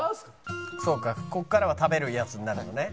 そうかここからは食べるやつになるのね。